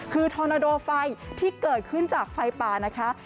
คือทอนาโดไฟที่เกิดขึ้นจากไฟป่านะคะ